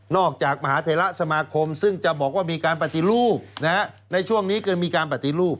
จากมหาเทระสมาคมซึ่งจะบอกว่ามีการปฏิรูปในช่วงนี้คือมีการปฏิรูป